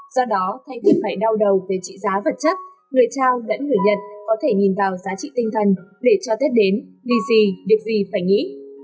do đó thay vì phải đau đầu về trị giá vật chất người trao lẫn người nhật có thể nhìn vào giá trị tinh thần để cho tết đến vì gì việc gì phải nghĩ